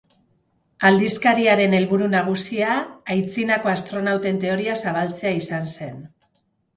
Aldizkariaren helburu nagusia aitzinako astronauten teoria zabaltzea izan zen.